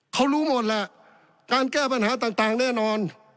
เขารู้หมดแหละการแก้ปัญหาต่างแน่นอน